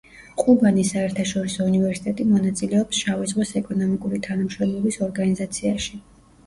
ყუბანის საერთაშორისო უნივერსიტეტი მონაწილებს შავი ზღვის ეკონომიკური თანამშრომლობის ორგანიზაციაში.